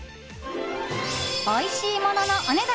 おいしいもののお値段